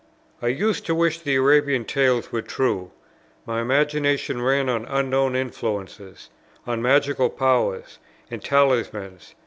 "I used to wish the Arabian Tales were true: my imagination ran on unknown influences, on magical powers, and talismans....